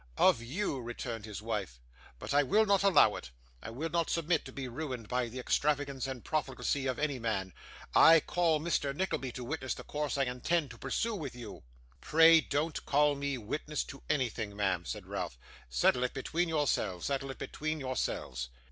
'Of you,' returned his wife. 'But I will not allow it. I will not submit to be ruined by the extravagance and profligacy of any man. I call Mr Nickleby to witness the course I intend to pursue with you.' 'Pray don't call me to witness anything, ma'am,' said Ralph. 'Settle it between yourselves, settle it between yourselves.